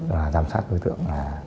giám sát đối tượng